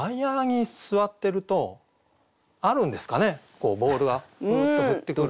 こうボールがふっと降ってくること。